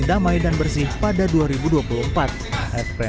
untuk memperbaiki keamanan bersih pada dua ribu dua puluh empat